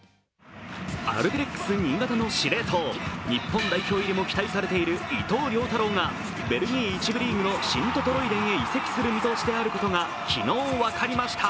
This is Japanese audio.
アルビレックス新潟の司令塔、日本代表入りも期待されている伊藤涼太郎がベルギー１部リーグのシント・トロイデンへ移籍する見通しであることが昨日分かりました。